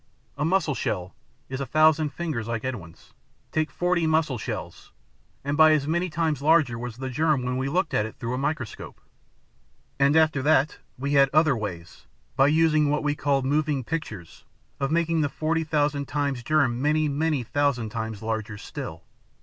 A mussel shell is a thousand fingers like Edwin's. Take forty mussel shells, and by as many times larger was the germ when we looked at it through a microscope. And after that, we had other ways, by using what we called moving pictures, of making the forty thousand times germ many, many thousand times larger still.